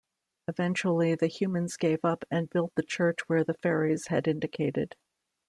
Eventually the humans gave up and built the church where the fairies had indicated.